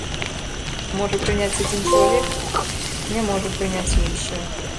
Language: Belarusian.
Што можа прыняць адзін чалавек, не можа прыняць іншы.